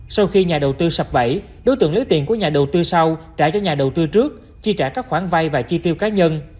sau khi nhà đầu tư sập bẫy đối tượng lấy tiền của nhà đầu tư sau trả cho nhà đầu tư trước chi trả các khoản vay và chi tiêu cá nhân